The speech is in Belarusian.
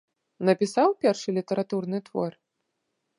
Напісаў першы літаратурны твор?